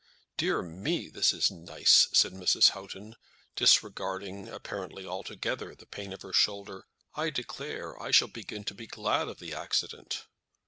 "Dear me! this is nice," said Mrs. Houghton, disregarding, apparently altogether, the pain of her shoulder; "I declare, I shall begin to be glad of the accident!"